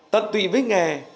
tận tụy với nghề